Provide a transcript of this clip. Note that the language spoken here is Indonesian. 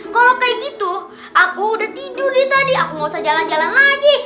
kalau kayak gitu aku udah tidur nih tadi aku gak usah jalan jalan lagi